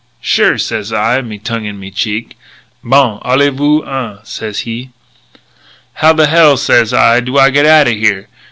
'Sure,' says I, me tongue in me cheek. 'Bong! Allez vous en!' says he. "'How the hell,' sez I, 'do I get out of here?'